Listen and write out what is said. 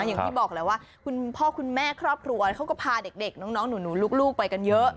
อย่างที่บอกแหละว่าคุณพ่อคุณแม่ครอบครัวเขาก็พาเด็กน้องหนูลูกไปกันเยอะ